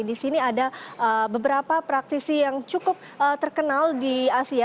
di sini ada beberapa praktisi yang cukup terkenal di asia